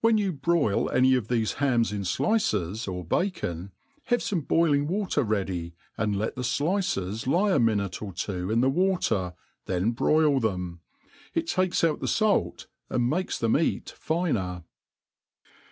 When you broil any of tiiefe hams iti flices, or bacon, have fome botliog water ready, and let theiftices lie a minute or two in the water, then broil them , it takes Qiit the fait, and makes fbem eat finei